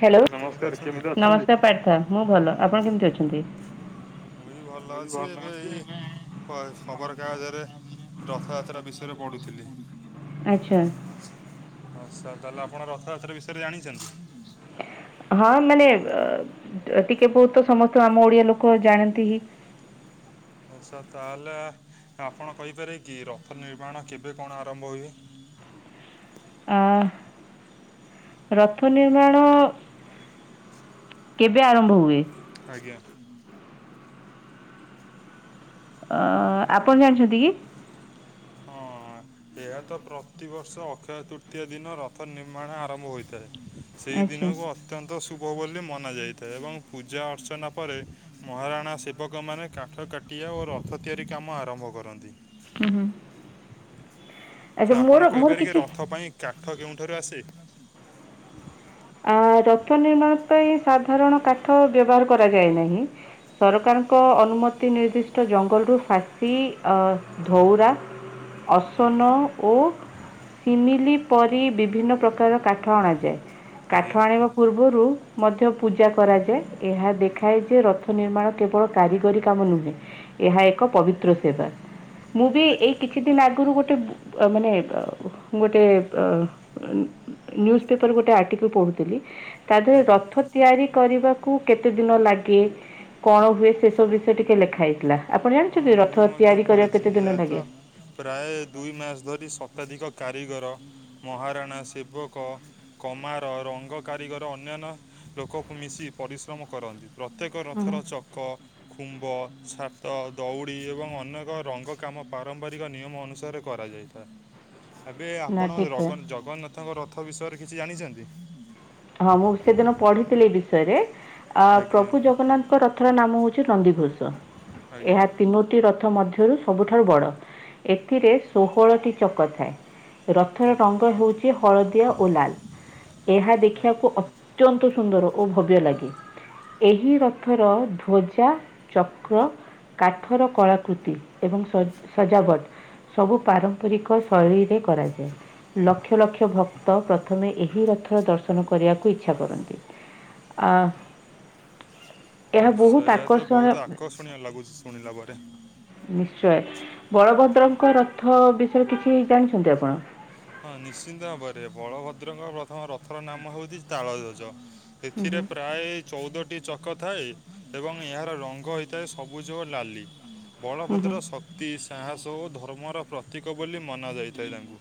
Hello କେମିତି ଅଛନ୍ତି ନମସ୍କାର ପ୍ରାର୍ଥ ମୁଁ ଭଲ ଆପଣ କେମିତି ଅଛନ୍ତି। ମୁଁ ବି ଭଲ ଅଛି ଏବେ ଏଇ ହ ଖବର କାଗଜରେ ରଥଯାତ୍ରା ବିଷୟରେ ପଢ଼ୁଥିଲି। ଆଚ୍ଛା। ଆଚ୍ଛା ତାହେଲେ ଆପଣ ରଥଯାତ୍ରା ବିଷୟରେ ଜାଣିଚନ୍ତି। ହଁ ମାନେ ଏ ଟିକେ ବହୁତ ସମସ୍ତ ଆମ ଓଡିଆ ଲୋକ ଜାଣନ୍ତି ହି। ଆଛା ତାହେଲେ ଆପଣ କହିପାରିବେ କି ରଥ ନିର୍ମାଣ କେବେ କଣ ଆରମ୍ଭ ହୁଏ। ଆ ରଥ ନିର୍ମାଣ କେବେ ଆରମ୍ଭ ହୁଏ। ଆଜ୍ଞା। ଅ ଆପଣ ଜାଣିଚନ୍ତି କି? ହଁ। ଏହା ତ ପ୍ରତିବର୍ଷ ଅକ୍ଷୟ ତୃତୀୟା ଦିନ ରଥ ନିର୍ମାଣ ଆରମ୍ଭ ହୋଇଥାଏ। ସେଇ ଆଚ୍ଛା ଦିନକୁ ହୁଁ ଅତ୍ୟନ୍ତ ଶୁଭ ବୋଲି ମନା ଯାଇଥାଏ ଏବଂ ପୂଜା ଅର୍ଚ୍ଚନା ପରେ ମହାରାଣା ସେବକମାନେ କାଠ କାଟିଆ ଓ ରଥ ତିଆରି କାମ ଆରମ୍ଭ କରନ୍ତି। ହୁଁ ହୁଁ। ଆଚ୍ଛା ସେ ମୋର ଆପଣ ମୋର କହିପାରେକିି କିଛି ରଥ ପାଇଁ କାଠ କେଉଁଠାରୁ ଆସେ। ରଥ ନିର୍ମାଣ ପାଇଁ ସାଧାରଣ କାଠ ବ୍ୟବହାର କରାଯାଏ ନାହିଁ। ସରକାରଙ୍କ ଅନୁମତି ନିର୍ଦ୍ଦିଷ୍ଟ ଜଙ୍ଗଲରୁ ଫାଶୀ ଅ ଧଉରା ଅସୁନ। ଓ ସିମିଲି ପରି ବିଭିନ୍ନ ପ୍ରକାର କାଠ ଅଣାଯାଏ। କାଠ ଆଜ୍ଞା ଆଣିବା ପୂର୍ବରୁ ମଧ୍ୟ ପୂଜା କରାଯାଏ ଏହା ଦେଖାହେଇଚି ଯେ ରଥ ନିର୍ମାଣ କେବଳ କାରିଗରୀ କାମ ନୁହେଁ ଏହା ଏକ ପବିତ୍ର ସେବା ମୁଁ ବି ଏଇ ଆଜ୍ଞା କି କିଛି ଦିନ ଆଗରୁ ଗୋଟେ ବୁ ଅ ମାନେ ଅ ଗୋଟେ ଅ ନ୍ୟୁକ ପେପର ଗୋଟେ ଆର୍ଟିକଲ ପଢୁଥିଲି ତା ଦେହରେ ଆଜ୍ଞା ରଥ ତିଆରି କରିବାକୁ କେତେ ଦିନ ଲାଗେ କଣ ହୁଏ ସେସବୁ ବିଷୟ ଟିକେ ଲେଖା ହେଇଥିଲା। ଆପଣ ହଁ ଜାଣିଛନ୍ତି ମୁଁ ବି ରଥ ମଧ୍ୟ ତିଆରି କରିବାକୁ ପଢ଼ିଛି କେତେ ଦିନ ଏହା ତ ଲାଗେ? ପ୍ରାୟ ଦୁଇ ମାସ ଧରି ଶତାଧିକ କାରିଗର, ମହାରାଣା, ସେବକ କମାର, ରଙ୍ଗ କାରିଗର ଅନ୍ୟାନ୍ୟ ଲୋକକୁ ମିଶି ପରିଶ୍ରମ କରନ୍ତି ପ୍ର ପ୍ରତ୍ୟେକ ରଥର ଲାଗେ ଚକ ଖୁମ୍ବ ଛା ତ ଦଉଡ଼ି ଏବଂ ଅନେକ ରଙ୍ଗ କାମ ପାରମ୍ପରିକ ନିୟମ ଅନୁସାରେ କରାଯାଇଥାଏ। ଏବେ ନା ଆପଣ ଠିକ୍ ର ଜଗନ୍ନାଥଙ୍କ ରଥ ବିଷୟରେ କିଛି ଜାଣିଛନ୍ତି? ହଁ ମୁଁ ସେଦିନ ପଢିଥିଲି ଏ ବିଷୟରେ ଆ ଆଜ୍ଞା ପ୍ରଭୁ ଜଗନ୍ନାଥ ରଥର ନାମ ହଉଛି ନନ୍ଦିଘୋଷ ଆଜ୍ଞା ଏହା ତିନୋଟି ରଥ ମଧ୍ୟରୁ ସବୁଠାରୁ ବଡ଼ ଏଥିରେ ଷୋହଳଟି ଚକ ଥାଏ। ରଥର ଆଜ୍ଞା ରଙ୍ଗ ହେଉଛି ହଳଦିଆ ଓ ଲାଲ ଏହା ଦେଖି ଆଜ୍ଞା ଅତ୍ୟନ୍ତ ସୁନ୍ଦର ଓ ଭବ୍ୟ ଲାଗେ। ଏହି ରଥର ଧ୍ୱଜା, ଚକ୍ର କାଠର କଳାକୃତି ଏବଂ ସ-ସଜାବଟ ସବୁ ପାରମ୍ପରିକ ଶୈଳୀରେ କରାଯାଏ। ଲକ୍ଷ ଲକ୍ଷ ଭକ୍ତ ପ୍ରଥମେ ଏହି ରଥର ଦର୍ଶ ନ କରିବାକୁ ଇଚ୍ଛା କରନ୍ତି ଆ। ଆ ସୟା ତ ବହୁତ ଆକର୍ଷଣୀୟ ଲାଗୁଛି ଶୁଣିଲା ପରେ। ନିଶ୍ଚୟ ବଳଭଦ୍ରଙ୍କ ରଥ ବିଷୟରେ କିଛି ଜାଣିଛନ୍ତି ଆପଣ? ହଁ ନିଶ୍ଚିନ୍ତ ଭାବରେ ବଳଭଦ୍ରଙ୍କ ପ୍ରଥମ ରଥର ନାମ ହେଉଛି ତାଳଧ୍ୱଜ। ହୁଁ ଏଥିରେ ହୁଁ ପ୍ରାଏ ଚଉଦଟି ଚକ ଥାଏ ଏବଂ ଏହାର ରଙ୍ଗ ହୋଇଥାଏ ସବୁଜ ଓ ଲାଲି। ହୁଁ ହୁଁ ବଳଭଦ୍ର ଶକ୍ତି, ସାହାସ ଓ ଧର୍ମର ପ୍ରତୀକ ବୋଲି ମନା ଯାଇଥାଏ ତାଙ୍କୁ।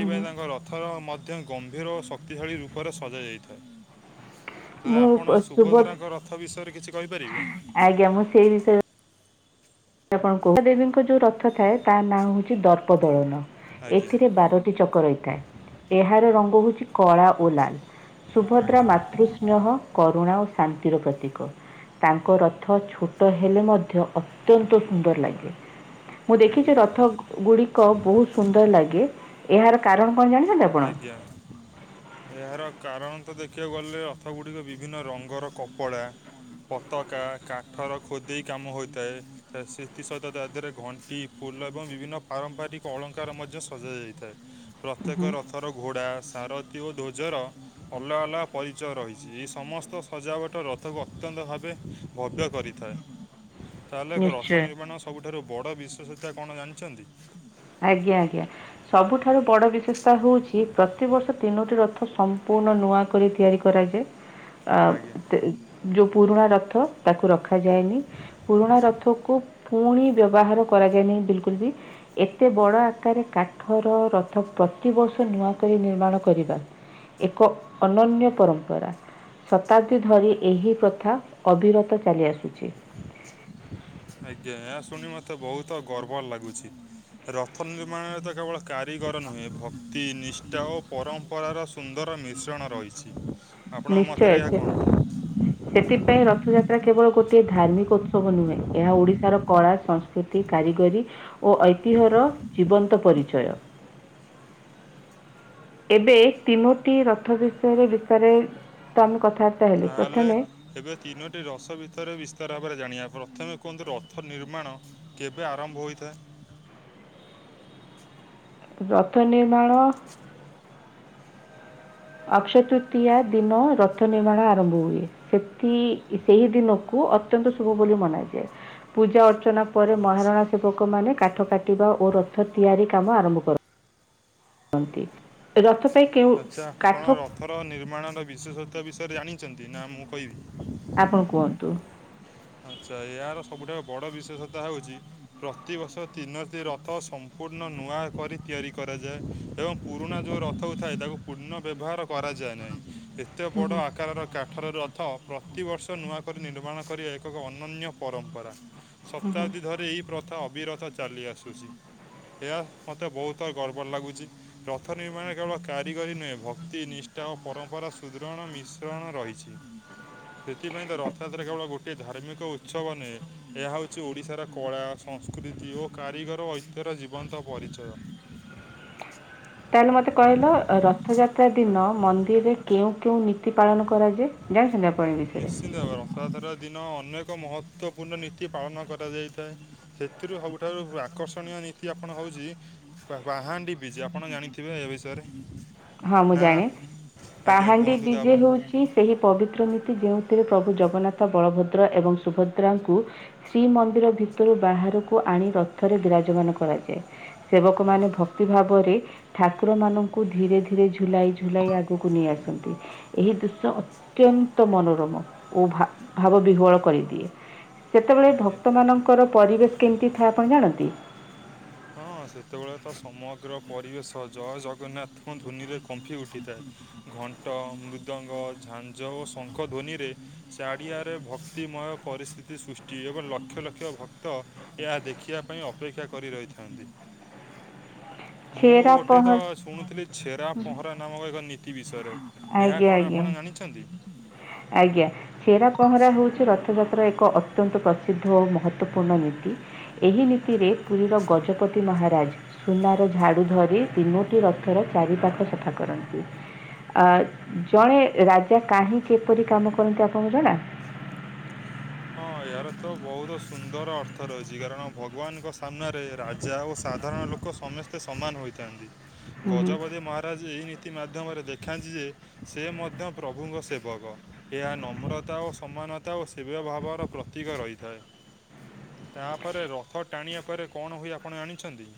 ହୁଁ ହୁଁ। ତାଙ୍କ ରଥର ମଧ୍ୟ ଗମ୍ଭୀର ଓ ଶକ୍ତିଶାଳୀ ରୂପରେ ସଜାଯାଇଥାଏ। ତ ମୁଁ ଆପଣ ସୁଭଦ୍ରା ସୁଭଦ୍ରାଙ୍କ ରଥ ବିଷୟରେ କିଛି କହିପାରିବେ। ଆଜ୍ଞା ମୁଁ ସେହି ବିଷୟ ଆପଣ ଦେବୀଙ୍କ ଯୋଉ ରଥ ଥାଏ ତା ନାଁ ହଉଛି ଦର୍ପ ଦଳନ। ଆଜ୍ଞା ଏଥିରେ ବାରଟି ଚକ ରହିଥାଏ ଏହାର ରଙ୍ଗ ହଉଛି କଳା ଓ ଲାଲ। ସୁଭଦ୍ରା ଆଜ୍ଞା ମାତୃସ୍ନେହ କରୁଣା ଓ ଶାନ୍ତିର ପ୍ରତୀକ। ତାଙ୍କ ରଥ ଛୋଟ ହେଲେ ମଧ୍ୟ ଅ ଅତ୍ୟନ୍ତ ସୁନ୍ଦର ଲାଗେ। ମୁଁ ଦେଖିଛି ଆଜ୍ଞା ରଥ ଗୁଡିକ ବହୁତ ସୁନ୍ଦର ଲାଗେ ଏହାର କାରଣ କଣ ଜା ଆଜ୍ଞା। ଏହାର କାରଣ ତ ଦେଖିବାକୁ ଗଲେ ରଥଗୁଡ଼ିକ ବିଭିନ୍ନ ରଙ୍ଗର କପଡ଼ା ପତାକା କାଠର ଖୋଦେଇ କାମ ହୋଇଥାଏ। ସେଥିସହିତ ତା ଦେହରେ ଘଣ୍ଟି, ଫୁଲ ଏବଂ ବିଭିନ୍ନ ପାରମ୍ପରିକ ଅଳଙ୍କାର ମଧ୍ୟ ସଜାଯାଇଥାଏ। ପ୍ରତ୍ୟେକ ରଥର ଘୋଡ଼ା, ସାରଥୀ ଓ ଧ୍ୱଜର ଅଲଗା ଅଲଗା ପରିଚୟ ରହିଛି ଏଇ ସମସ୍ତ ସଜାବଟ ରଥକୁ ଅତ୍ୟନ୍ତ ଭାବେ ଭବ୍ୟ କରିଥାଏ। ତାହେଲେ ଏକ ରଥ ନିଶ୍ଚୟ ନିର୍ମାଣ ସବୁଠାରୁ ବଡ଼ ବିଷେଶତ କଣ ଜାଣିଛନ୍ତି? ଆଜ୍ଞା ଆଜ୍ଞା। ସବୁଠାରୁ ବଡ଼ ବିଶେଷତା ହେଉଛି ପ୍ରତିବର୍ଷ ତିନୋଟି ରଥ ସମ୍ପୂର୍ଣ୍ଣ ନୂଆ କରି ତିଆରି କରାଯାଏ ହ ଆଜ୍ଞା [unintelligible] ଅ ଯୋଉ ପୁରୁଣା ରଥ ତାକୁ ରଖାଯାଏନି ପୁରୁଣା ରଥକୁ ପୁଣି ବ୍ୟବହାର କରାଯାଏନାହିଁ ବିଲକୁଲ ବି ଏତେ ବଡ଼ ଆକାରରେ କାଠର ରଥ ପ୍ରତିବର୍ଷ ନୂଆ କରି ନିର୍ମାଣ କରିବା ଏକ ଅନନ୍ୟ ପରମ୍ପରା ଶତାବ୍ଦୀ ଧରି ଏହି ପ୍ରଥା ଅବିରତ ଚାଲି ଆସୁଛି ଆଜ୍ଞା ଏହା ଶୁଣି ମତେ ବହୁତ ଗର୍ବ ଲାଗୁଛି ରଥ ନିର୍ମାଣରେ ତ କେବଳ କାରିଗର ନୁହେଁ ଭକ୍ତି ନିଷ୍ଠା ଓ ପରମ୍ପରାର ସୁନ୍ଦର ମିଶ୍ରଣ ରହିଛି। ଆପଣ ନିଶ୍ଚୟ ମତ ରେ ଏୟା ସେ କଣ? ସେଥିପାଇଁ ରଥଯାତ୍ରା କେବଳ ଗୋଟିଏ ଧାର୍ମିକ ଉତ୍ସବ ନୁହେଁ। ଏହା ଓଡିଶାର କଳା ସଂସ୍ କାରିଗରୀ ଓ ଐତିହ୍ୟର ଜୀବନ୍ତ ପରିଚୟ। ଏବେ ତିନୋଟି ରଥ ବିଷୟରେ ବିଷୟରେ ତ ଆମେ କଥା ତାହଲେ ଏବେ ତିନୋଟି ରସ ଭିତରେ ବିସ୍ତାର ଭାବରେ ଜାଣିବା। ପ୍ରଥମେ କୁହନ୍ତୁ ରଥ ନିର୍ମାଣ କେବେ ଆରମ୍ଭ ହୋଇଥାଏ ରଥ ନିର୍ମାଣ ଅକ୍ଷୟ ତୃତୀୟା ଦିନ ରଥ ନିର୍ମାଣ ଆରମ୍ଭ ହୁଏ ସେଠ ସେହି ଦିନକୁ ଅତ୍ୟନ୍ତ ଶୁଭ ବୋଲି ମନାଯାଏ। ପୂଜା ଅର୍ଚ୍ଚନା ପରେ ଆଚ୍ଛା ମହାରଣା ସେବକମାନେ କାଠ କାଟିବା ଓ ରଥ ତିଆରି କାମ ଆରମ୍ଭ କର ରଥ ପାଇଁ କେଉଁ କାଠ ପଥର ନିର୍ମାଣର ବିଶେଷତା ବିଷୟରେ ଜାଣିଛନ୍ତି ନା ମୁଁ କହିବି? ଆପଣ କୁହନ୍ତୁ। ଆଚ୍ଛା ଏହାର ସବୁଠାରୁ ବଡ଼ ବିଶେଷତା ହେଉଛି ପ୍ରତିବର୍ଷ ତିନୋଟି ରଥ ସମ୍ପୂର୍ଣ୍ଣ ନୂଆ କରି ତିଆରି କରାଯାଏ। ଏବଂ ପୁରୁଣା ଯେଉଁ ରଥକୁ ଥାଏ ତାକୁ ପୁନଃ ବ୍ୟବହାର କରାଯାଏ ନାହିଁ। ଏତେ ହୁଁ ବଡ଼ ହୁଁ ଆକାରର କାଠରରୁ ରଥ ପ୍ରତିବର୍ଷ ନୂଆ କରି ନିର୍ମାଣ କରି ଏକ ଅନନ୍ୟ ପରମ୍ପରା ହୁଁ ହୁଁ। ଶତାବ୍ଦୀ ଧରି ଏହି ପ୍ରଥା ଅବିରତ ଚାଲି ଆସୁଛି ଏହା ମୋତେ ବହୁତ ଗର୍ବ ଲାଗୁଛି ରଥ ନିର୍ମାଣ କେବଳ କାରିଗରୀ ନୁହେଁ ଭକ୍ତି ନିଷ୍ଠା ଓ ପରମ୍ପରା ସୁଦୃଢଣ ମିଶ ରଣ ରହିଛି ସେଥିପାଇଁ ତ ରଥଯାତ୍ରା କେବଳ ଗୋଟିଏ ଧାର୍ମିକ ଉତ୍ସବ ନୁହେଁ ଏହା ହେଉଛି ଓଡ଼ିଶାର କଳା ସଂସ୍କୃତି ଓ କାରିଗର ଐତି୍ୟର ଜୀବନ୍ତ ପରିଚୟ। ତାହେଲେ ମତେ କହିଲ ରଥଯାତ୍ରା ଦିନ ମନ୍ଦିରରେ କେଉଁ କେଉଁ ନୀତି ପାଳନ କରାଯାଏ? ଯାଉଛନ୍ତି ଆପଣ ବି? ନିଶ୍ଚିନ୍ତ ଭାବେ ରଥଯାତ୍ରା ଦିନ ଅନେକ ମହତ୍ତଵପୂର୍ଣ୍ଣ ନୀତି ପାଳନ କରାଯାଇଥାଏ। ସେଥିରୁ ସବୁଠାରୁ ଆକର୍ଷଣୀୟ ନୀତି ଆପଣ ହେଉଛି ପାହାଣ୍ଡି ବିଜେ ଆପଣ ଜାଣିଥିବେ ଏ ବିଷୟରେ ହଁ ମୁଁ ନା ଜାଣେ ଆଜ୍ଞା ପାହାଣ୍ଡି କୁହନ୍ତୁ ବିଜେ ତାପରେ ହଉଛି ସେହି ପବିତ୍ର ନୀତି ଯେଉଁଥିରେ ପ୍ରଭୁ ଜଗନ୍ନାଥ ବଳଭଦ୍ର ଏବଂ ସୁଭଦ୍ରାଙ୍କୁ ଶ୍ରୀମନ୍ଦିର ଭିତରୁ ବାହାରକୁ ଆଣି ରଥରେ ବିରାଜମାନ କରାଯାଏ। ସେବକମାନେ ଆଜ୍ଞା ଭକ୍ତି ଭାବରେ ଠାକୁର ମାନଙ୍କୁ ଧୀରେ ଧୀରେ ଏଥିରେ ଝୁଲାଇ ଝୁଲାଇ ଆଗକୁ ନେଇ ଆସନ୍ତି ଏହି ଦୃଶ୍ୟ ଅତ୍ୟନ୍ତ ମନୋରମ ଓ ଭାବ ବିହ୍ୱଳ କରିଦିଏ ସେତେବେଳେ ଆଜ୍ଞା ଭକ୍ତମାନଙ୍କର ପରିବେଶ କେମିତି ଥାଏ ଆପଣ ଜାଣନ୍ତି? ହଁ ସେତେବେଳେ ତ ସମଗ୍ର ପରିବେଶ ଜୟ ଜଗନ୍ନାଥଙ୍କ ଧ୍ୱନିରେ କମ୍ଫି ଉଠିଥାଏ। ଘଣ୍ଟ ମୃଦଙ୍ଗ ଝାଞ୍ଜ ଓ ଶଙ୍ଖ ଧ୍ୱନିରେ ଚାଡ଼ିଆରେ ଭକ୍ତିମୟ ପରିସ୍ଥିତି ସୃଷ୍ଟି ଏବଂ ଲକ୍ଷ ଲକ୍ଷ ଭକ୍ତ ଏହା ଦେଖିବା ପାଇଁ ଅପେକ୍ଷା କରି ରହି ମୁଁ ଛେରା ଗୋଟେ ତ ପହଁରା ଶୁଣୁଥିଲି ଛେରା ପହଁରା ନାମକ ଏକ ନୀତି ବିଷୟରେ ଏହା ଆଜ୍ଞା କଣ ଆଜ୍ଞା। ଆପଣ ଜାଣିଛନ୍ତି? ଆଜ୍ଞା। ଛେରା ପହଁରା ହେଉଛି ରଥଯାତ୍ରା ଏକ ଅତ୍ୟନ୍ତ ପ୍ରସିଦ୍ଧ ଓ ମହତ୍ତ୍ଵପୂର୍ଣ୍ଣ ନୀତି ଏହି ନୀତିରେ ପୁରୀର ଗଜପତି ମହାରାଜ ସୁନାର ଝାଡୁ ଧରି ଆଜ୍ଞା। ତିନି ରଥର ଚାରିପାଖ ସଫା କରନ୍ତି। ଅ ଜଣେ ରାଜା କାହିଁକି କିପରି କାମ କରନ୍ତି ଆପଣଙ୍କୁ ଜଣା? ହଁ ଏହାର ତ ବହୁତ ସୁନ୍ଦର ଅର୍ଥ ରହିଛି କାରଣ ଭଗବାନଙ୍କ ସାମ୍ନାରେ ରାଜା ଓ ସାଧାରଣ ଲୋକ ଲୋକ ସମସ୍ତେ ସମାନ ହୋଇଥାନ୍ତି ହୁଁ, ହୁଁ। ଗଜପତି ମହାରାଜ ଏହି ନୀତି ମାଧ୍ୟମରେ ଦେଖାନ୍ତି ଯେ ସେ ମଧ୍ୟ ପ୍ରଭୁଙ୍କ ସେବକ ଏହା ନମ୍ରତା ଓ ସମାନତା ଓ ସେ ପ୍ରିୟ ଭାବର ପ୍ରତୀକ ରହିଥାଏ। ତାପରେ ରଥ ଟାଣିବା ପରେ କଣ ହୁଏ ଆପଣ ଜାଣିଛନ୍ତି।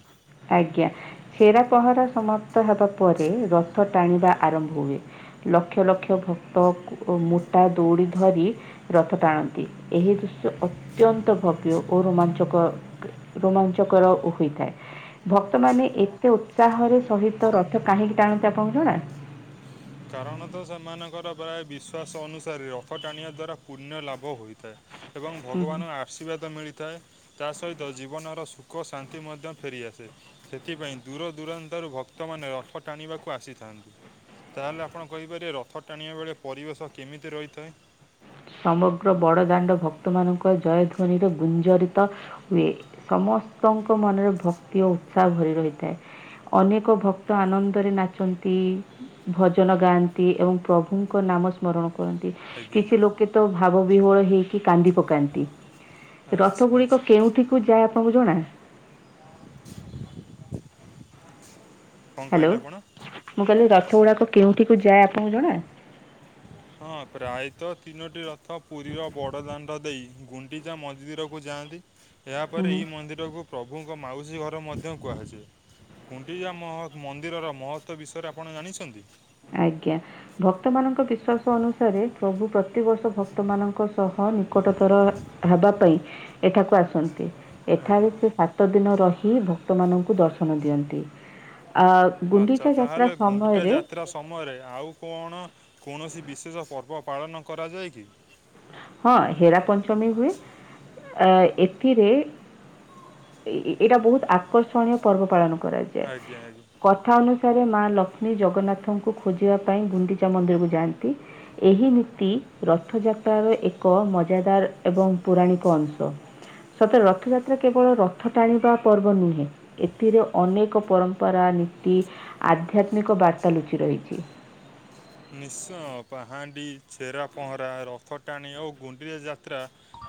ଆଜ୍ଞା ଛେରା ପହଁରା ସମାପ୍ତ ହେବା ପରେ ରଥ ଟାଣିବା ଆଜ୍ଞା ଆରମ୍ଭ ହୁଏ। ଲକ୍ଷ ଲକ୍ଷ ଭକ୍ତ ମୋଟା ଦୌଡ଼ି ଧରି ରଥ ଟାଣନ୍ତି। ଏହି ଦୃଶ୍ୟ ଅତ୍ୟନ୍ତ ଭବ୍ୟ ଓ ରୋମାଞ୍ଚକ ରୋମାଞ୍ଚକର ହୋଇଥାଏ। ଭକ୍ତମାନେ ଏତେ ଉତ୍ସାହରେ ସହିତ ରଥ କାହିଁକି ଟାଣନ୍ତି ଆପଣଙ୍କୁ ଜଣା? କାରଣତଃ ସେମାନଙ୍କର ପ୍ରାୟ ବିଶ୍ୱାସ ଅନୁସାରେ ରଥ ଟାଣିବା ଦ୍ଵାରା ପୁଣ୍ୟ ଲାଭ ହୋଇଥାଏ। ଏବଂ ହୁଁ, ହୁଁ। ଭଗବାନର ଆ ଆଶୀର୍ବାଦ ମିଳିଥାଏ ତା ସହିତ ଜୀବନର ସୁଖ ଶାନ୍ତି ମଧ୍ୟ ଫେରିଆସେ। ସେଥିପାଇଁ ଦୂରଦୂରାନ୍ତାରୁ ଭକ୍ତମାନେ ରଥ ଟାଣିବାକୁ ଆସିଥାନ୍ତି। ତା ହେଲେ ଆପଣ କହିପାରିବେ ରଥ ଟାଣିବା ବେଳେ ପରିବେଶ କେମିତି ରହିଥାଏ। ସମଗ୍ର ବଡ଼ଦାଣ୍ଡ ଭକ୍ତମାନଙ୍କ ଜୟଧ୍ୱନିରେ ଗୁଞ୍ଜରିତ ହୁଏ ସମସ୍ତଙ୍କ ମନରେ ଭକ୍ତି ଓ ଉତ୍ସାହ ଭରି ରହିଥାଏ। ଅନେକ ଭକ୍ତ ଆନନ୍ଦରେ ନାଚନ୍ତି। ଭଜନ ଗାଆନ୍ତି ଏବଂ ପ୍ରଭୁଙ୍କ ନାମ ସ୍ମରଣ କରନ୍ତି। ଆଜ୍ଞା କିଛି ଲୋକେ ତ ଭାବ ବିହୋଳ ହେଇକି କାନ୍ଦି ପକ ତି ଆଚ୍ଛା ରଥ ଗୁଡିକ ଆଚ୍ଛା କେଉଠିକୁ ଯାଏ ଆପଣଙ୍କୁ ଜଣା କ'ଣ ହ୍ୟାଲୋ କହିଲେ ଆପଣ ମୁଁ କହିଲି ରଥଗୁଡାକ କେଉଁଠିକୁ ଯାଏ ଆପଣଙ୍କୁ ଜଣା। ହଁ ପ୍ରାୟତଃ ତିନୋଟି ରଥ ପୁରୀର ବଡ଼ ଦାଣ୍ଡ ଦେଇ ଗୁ ଗୁଣ୍ଡିଚା ମନ୍ଦିରକୁ ଯାଆନ୍ତି। ଏହାପରେ ଏହିଇ ମନ୍ଦିରକୁ ପ୍ରଭୁଙ୍କ ମାଉସୀ ଘର ମଧ୍ୟ କୁହାଯାଏ। ଗୁଣ୍ଡିଚା ମନ୍ଦିରର ମହତ୍ଵ ବିଷୟରେ ଆପଣ ଜାଣିଛନ୍ତି? ଆଜ୍ଞା ଭକ୍ତ ମାନଙ୍କ ବିଶ୍ଵାସ ଅନୁସାରେ ପ୍ରଭୁ ପ୍ରତିବର୍ଷ ଭକ୍ତ ମାନଙ୍କ ସହ ନିକଟତର ହେବା ପାଇଁ ଏଠାକୁ ଆସନ୍ତି। ଏଠାରେ ଆଜ୍ଞା। ସେ ସାତ ଦିନ ରହି ଭକ୍ତମାନଙ୍କୁ ଦର୍ଶନ ଦିଅନ୍ତି ଆ ଆଚ୍ଛା ଗୁଣ୍ଡିଚା ଯାତ୍ରା ତାହେଲେ ଗୁଣ୍ଡିଚା ସମୟରେ ଯା ମାତ୍ରା ସମୟରେ ଆଉ କଣ କୌଣସି ବିଶେଷ ପର୍ବ ପାଳନ କରାଯାଏ କି। ହଁ ହେରା ପଞ୍ଚମୀ ହୁଏ ଆ ଏଥିରେ ଏଇଟା ବହୁତ ଆକର୍ଷଣୀୟ ପର୍ବ ପାଳନ କରାଯାଏ। ଆଜ୍ଞା ଆଜ୍ଞା। କଥା ଅନୁସାରେ ମା ଲକ୍ଷ୍ମୀ ଜଗନ୍ନାଥଙ୍କୁ ଖୋଜିବା ପାଇଁ ଗୁଣ୍ଡିଚା ମନ୍ଦିରକୁ ଯାଆନ୍ତି। ଏହି ନୀତି ରଥଯାତ୍ରାର ଏକ ଏକ ମଜାଦାର ଏବଂ ପୌାଣିକ ଅଂଶ। ସତରେ ରଥଯାତ୍ରା କେବଳ ରଥ ଟାଣିବା ପର୍ବ ନୁହେଁ। ଏଥିରେ ଅନେକ ପରମ୍ପରା ନୀତି ଆଧ୍ୟାତ୍ମିକ ବାର୍ତ୍ତା ଲୁଚି ରହିଛି। ନିଶ୍ଚୟ ପାହାଣ୍ଡି ଛେରା ପହଁରା ରଥ ଟାଣି ଓ ଗୁଣ୍ଡିଆ ଯାତ୍ରା।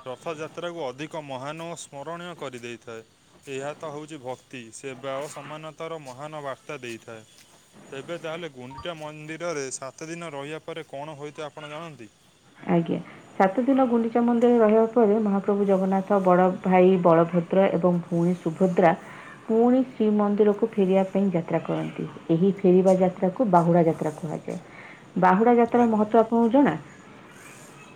ରଥଯାତ୍ରାକୁ ଅଧିକ ମହାନ ଓ ସ୍ମରଣୀୟ କରିଦେଇଥାଏ। ଏହା ତ ହେଉଛି ଭକ୍ତି ସେବା ଅସମାନତାର ମହାନ ବାର୍ତ୍ତା ଦେଇଥାଏ। ତେବେ ତାହାେଲେ ଗୁଣ୍ଡିଟା ମନ୍ଦିରରେ ସାତ ଦିନ ରହିବା ପରେ କଣ ହୋଇତ ଆପଣ ଜାଣନ୍ତି। ଆଜ୍ଞା। ସାତ ଦିନ ଗୁଣ୍ଡିଚା ମନ୍ଦିର ରହିବା ପରେ ମହାପ୍ରଭୁ ଜଗନ୍ନାଥ ବଡ ଭାଇ ବଳଭଦ୍ର ଏବଂ ପୁଣି ସୁଭଦ୍ରା ପୁଣି ଶ୍ରୀମନ୍ଦିରକୁ ଫେରିବା ପାଇଁ ଯାତ୍ରା କରନ୍ତି ଏହି ଫେରିବା ଯାତ୍ରାକୁ ବାହୁଡା ଯାତ୍ରା କୁହାଯାଏ। ବାହୁଡ଼ା ଯାତ୍ରା ଆଜ୍ଞା। ମହତ୍ୱ ଆପଣଙ୍କୁ ଜଣା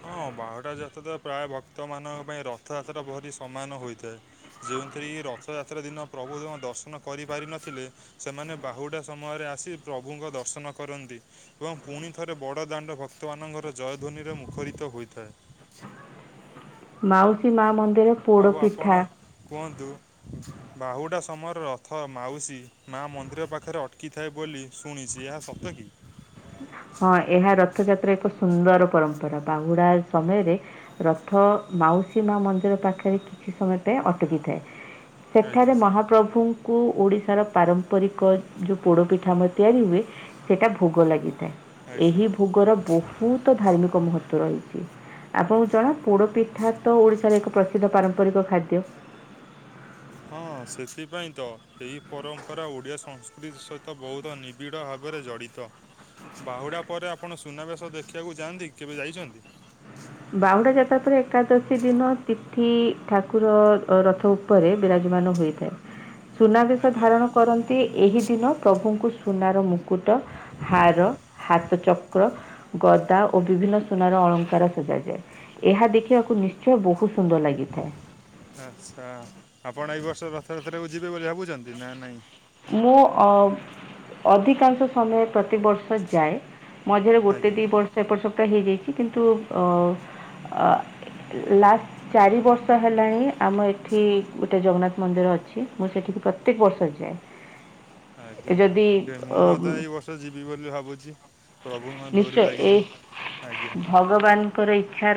ହଁ ବାହୁଡ଼ା ଯାତ୍ରା ତ ପ୍ରାୟ ଭକ୍ତମାନଙ୍କ ପାଇଁ ରଥଯାତ୍ରା ଭରି ସମାନ ହୋଇଥାଏ। ଯେଉଁଥିରେ କି ରଥଯାତ୍ରା ଦିନ ପ୍ରଭୁଙ୍କ ଦର୍ଶନ କରିପାରିନଥିଲେ। ସେମାନେ ବାହୁଡ଼ା ସମୟରେ ଆସି ପ୍ରଭୁଙ୍କ ଦର୍ଶନ କରନ୍ତି ଏବଂ ପୁଣି ଥ ଠାରେ ବଡ଼ ଦାଣ୍ଡ ଭକ୍ତମାନଙ୍କର ଜୟଧ୍ୱନିରେ ମୁଖରିତ ହୋଇଥାଏ। ମାଉସୀ ମା ମନ୍ଦିର। ଆଉ ଆପଣ ପୋଡ଼ପିଠା କୁହନ୍ତୁ। ବାହୁଡ଼ା ସମୟରେ ରଥ ମାଉସୀ ମା ମନ୍ଦିର ପାଖରେ ଅଟକିଥାଏ ବୋଲି। ଶୁଣିଛି ଏହା ସତ କି। ହଁ ଏହା ରଥଯାତ୍ରା ଏକ ସୁନ୍ଦର ପରମ୍ପରା ବାହୁଡ଼ା ସମୟରେ। ରଥ ମାଉସୀ ମା ମନ୍ଦିର ପାଖରେ କିଛି ସମୟ ପାଇଁ ଅଟକିଥାଏ। ସେଠାରେ ଆଜ୍ଞା ମହାପ୍ରଭୁ ଙ୍କୁ ଓଡ଼ିଶାର ପାରମ୍ପରିକ ଯଉ ପୋଡ଼ପିଠା ଆମର ତିଆରି ହୁଏ ସେଇଟା ଭୋଗ ଲାଗିଥାଏ। ଥାଏ ଆଜ୍ଞା ଏହି ଭୋଗର ବହୁତ ଧାର୍ମିକ ମହତ୍ୱ ରହିଛି ଆପଣଙ୍କୁ ଜଣା ପୋଡ଼ପିଠା ତ ଓଡ଼ିଶାର ଏକ ପ୍ରସିଦ୍ଧ ପାରମ୍ପରିକ ଖାଦ୍ୟ। ହଁ ସେଥିପାଇଁ ତ ଏହି ପରମ୍ପରା ଓଡ଼ିଆ ସଂସ୍କୃତି ସହିତ ବହୁତ ନିବିଡ଼ ଭାବରେ ଜଡ଼ି ଜଡ଼ିତ ବାହୁଡ଼ା ପରେ ଆପଣ ସୁନାବେଶ ଦେଖିବାକୁ ଯାଆନ୍ତି କେବେ ଯାଇଛନ୍ତି? ବାହୁଡ଼ା ଯାତ୍ରା ପରେ ଏକାଦଶୀ ଦିନ ତିଥି ଠାକୁର ରଥ ଉପରେ ବିରାଜମାନ ହୋଇଥାଏ। ସୁନାବେଶ ଆଜ୍ଞା ଧାରଣ କରନ୍ତି ଏହି ଦିନ ପ୍ରଭୁଙ୍କୁ ସୁନାର ମୁକୁଟ। ହାର, ହାତ ଚକ୍ର, ଗଦା ଓ ବିଭିନ୍ନ ସୁନାର ଅଳଙ୍କାର। ସଜା ଯାଏ ଏହା ଦେଖିବାକୁ ନିଶ୍ଚୟ ବହୁତ ସୁନ୍ଦର ଲାଗିଥାଏ। ଆଚ୍ଛା ଆପଣ ଏଇ ବର୍ଷ ରଥଯାତ୍ରାକୁ ଯିବେ ବୋଲି ଭାବୁଛନ୍ତି ନା ନାଇଁ? ମୁଁ ଅ ଅଧିକାଂଶ ସମୟ ପ୍ରତିବର୍ଷ ଯାଏ। ମଝିରେ ଗୋଟେ ଆଜ୍ଞା ଦି ବର୍ଷ ଏପଟ ସେପଟ ହେଇଯାଇଛି କିନ୍ତୁ ଅ ଲାଷ୍ ଚାରି ବର୍ଷ ହେଲାଣି ଆମ ଏଠି ଗୋଟେ ଜଗନ୍ନାଥ ମନ୍ଦିର ଅଛି ମୁଁ ସେଠିକି ପ୍ରତ୍ୟେକ ବର୍ଷ ଯାଏ। ଆଜ୍ଞା ଯଦି ମୁଁ ଅ, ମଧ୍ୟ ଏଇ ବର୍ଷ ଯିବି ବୋଲି ଭାବୁଛି। ପ୍ରଭୁଙ୍କର ନିଶ୍ଚୟ ଡୋରି ଏ ଲାଗିଛି ଆଜ୍ଞା। ଭଗବାନଙ୍କର ଇଚ୍ଛା ର